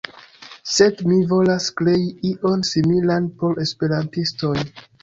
Sed mi volas krei ion similan por esperantistoj